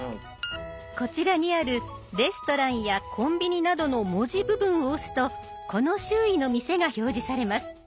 こちらにある「レストラン」や「コンビニ」などの文字部分を押すとこの周囲の店が表示されます。